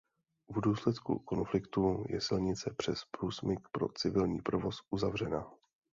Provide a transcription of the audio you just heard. V důsledku konfliktu je silnice přes průsmyk pro civilní provoz uzavřena.